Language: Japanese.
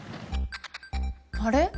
あれ？